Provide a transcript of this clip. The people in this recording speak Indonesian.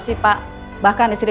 siap tak ada orang lagi